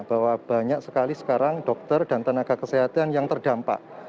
bahwa banyak sekali sekarang dokter dan tenaga kesehatan yang terdampak